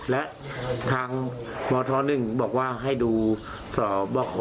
และทางมธหนึ่งบอกว่าให้ดูสอบค